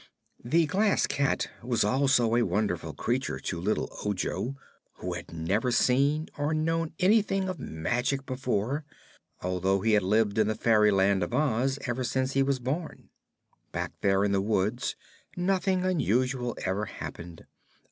The Glass Cat was also a wonderful creature to little Ojo, who had never seen or known anything of magic before, although he had lived in the Fairyland of Oz ever since he was born. Back there in the woods nothing unusual ever happened.